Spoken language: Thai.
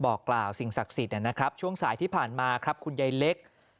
บอกกล่าวสิ่งศักดิ์สิทธิ์นะครับช่วงสายที่ผ่านมาครับคุณยายเล็ก